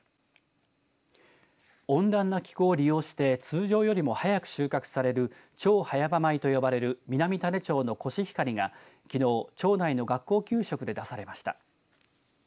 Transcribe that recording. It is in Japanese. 温暖な気候を利用して通常よりも早く収穫される超早場米と呼ばれる南種子町のコシヒカリがきのう町内の学校給食で出されました。